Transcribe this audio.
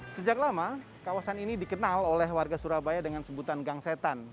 sejak lama kawasan ini dikenal oleh warga surabaya dengan sebutan gang setan